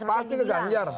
pasti ke ganjar